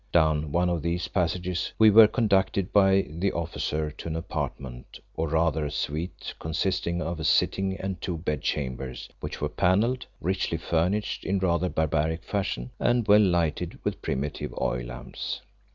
Down one of these passages we were conducted by the officer to an apartment, or rather a suite, consisting of a sitting and two bed chambers, which were panelled, richly furnished in rather barbaric fashion, and well lighted with primitive oil lamps.